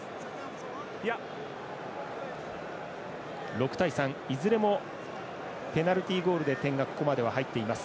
６対３、いずれもペナルティゴールで点がここまで入っています。